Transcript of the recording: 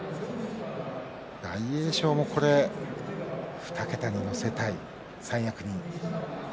大栄翔も２桁に乗せたい。